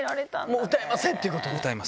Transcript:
もう歌えませんってこと？